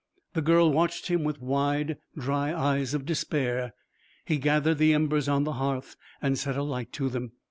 The girl watched him with wide dry eyes of despair. He gathered the embers on the hearth and set a light to them.